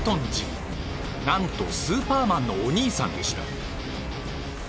なんとスーパーマンのお兄さんでした。